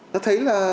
nó thấy là